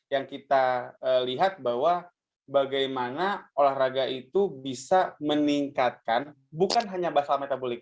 yang kita lihat bahwa bagaimana olahraga itu bisa meningkatkan bukan hanya basal metabolik